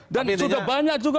dan sudah banyak juga